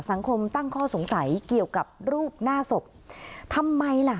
สังคมตั้งข้อสงสัยเกี่ยวกับรูปหน้าศพทำไมล่ะ